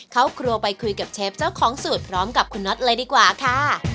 เข้าครัวไปคุยกับเชฟเจ้าของสูตรพร้อมกับคุณน็อตเลยดีกว่าค่ะ